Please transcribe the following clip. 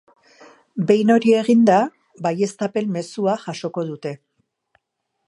Behin hori eginda, baieztapen mezua jasoko dute.